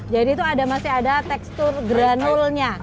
jadi itu masih ada tekstur granulnya